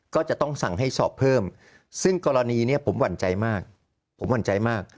ก็จะต้องสั่งให้สอบเพิ่มซึ่งกรณีเนี่ยผมหวั่นใจมาก